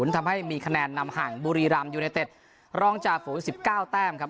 ทำให้มีคะแนนนำห่างบุรีรัมย์ยูเนเต็ดร่องจากฝูง๑๙แต้มครับ